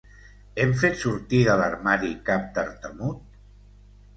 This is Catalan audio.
Hem fet sortir de l'armari cap tartamut?